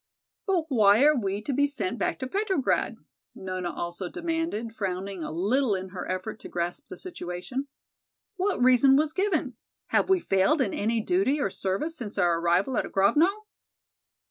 "But why are we to be sent back to Petrograd?" Nona also demanded, frowning a little in her effort to grasp the situation. "What reason was given; have we failed in any duty or service since our arrival at Grovno?"